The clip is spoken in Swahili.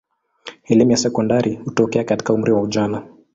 Elimu ya sekondari hutokea katika umri wa ujana.